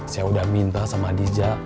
saya udah minta sama dija